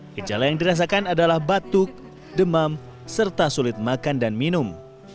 gejala yang dirasakan adalah batuk demam serta sulit makan dan minum